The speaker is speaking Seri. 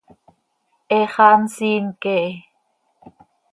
He xaa nsiin quee hi.